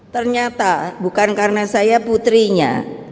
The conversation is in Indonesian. ternyata bukan karena saya putrinya